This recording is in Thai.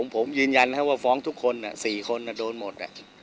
ผมยืนยันว่าฟ้องทุกคน๔คนโดนหมด